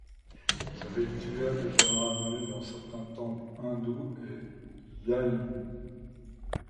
Ce rituel est généralement mené dans certains temples hindous et jaïns.